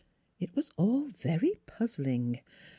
It was all very puzzling.